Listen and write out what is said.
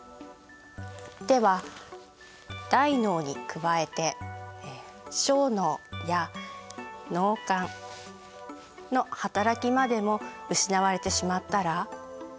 では大脳に加えて小脳や脳幹の働きまでも失われてしまったら？